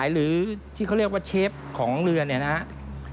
หรือที่เขาเรียกว่าเชฟของเรือเนี่ยนะครับ